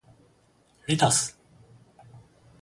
レタス